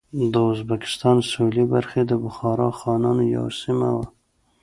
د ازبکستان سوېلې برخې د بخارا خانانو یوه سیمه وه.